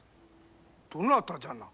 どなたじゃな？